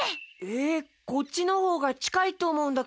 えっこっちのほうがちかいとおもうんだけど。